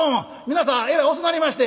皆さんえらい遅なりまして」。